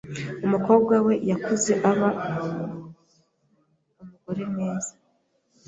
Umukobwa we yakuze aba umugore mwiza .